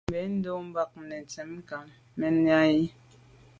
Mbèn ndo’ mba netsham nka menya yi.